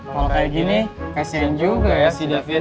kalo kayak gini kesian juga deh david